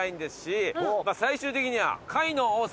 最終的には。